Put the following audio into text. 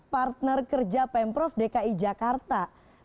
partner kerja pemprov dki jakarta